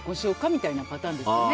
みたいなパターンが普通ですよね。